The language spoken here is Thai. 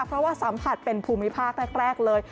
เพราะว่าสัมผัสเป็นภูมิภาคแรกเลย